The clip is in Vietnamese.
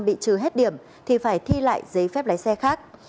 bị trừ hết điểm thì phải thi lại giấy phép lái xe khác